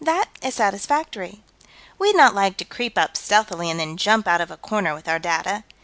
That is satisfactory. We'd not like to creep up stealthily and then jump out of a corner with our data.